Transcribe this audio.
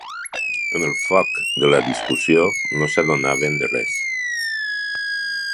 En el foc de la discussió no s'adonaven de res.